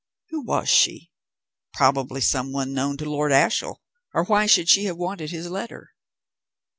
Who was she? Probably some one known to Lord Ashiel, or why should she have wanted his letter?